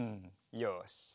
よし。